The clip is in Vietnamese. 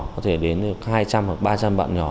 có thể đến hai trăm hoặc ba trăm bạn nhỏ